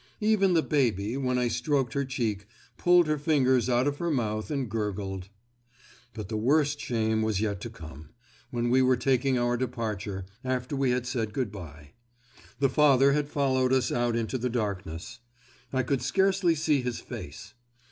Even the baby, when I stroked her cheek, pulled her fingers out of her mouth and gurgled. But the worst shame was yet to come, when we were taking our departure, after we had said good bye. The father had followed us out into the darkness. I could scarcely see his face.